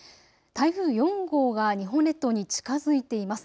台風４号が日本列島に近づいています。